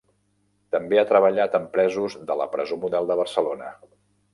També ha treballat amb presos de la Presó Model de Barcelona.